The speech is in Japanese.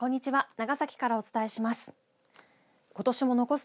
長崎からお伝えします。